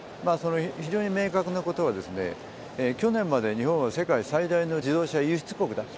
非常に明確なことは、去年まで、日本は世界最大の自動車輸出国だった。